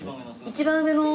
一番上の。